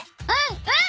うん！